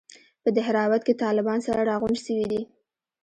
په دهراوت کښې طالبان سره راغونډ سوي دي.